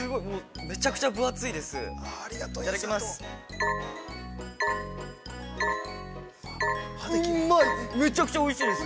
めちゃくちゃ分厚いです。